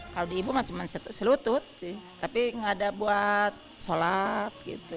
kalau di ibu cuma selutut tapi nggak ada buat sholat gitu